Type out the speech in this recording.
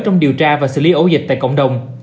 trong điều tra và xử lý ổ dịch tại cộng đồng